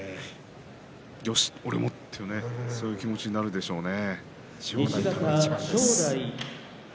よし俺もという気持ちになるでしょうね。